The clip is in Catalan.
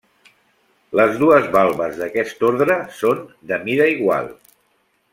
Les dues valves d'aquest ordre són de mida igual.